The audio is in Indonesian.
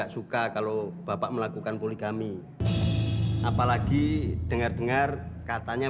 sampai jumpa di video selanjutnya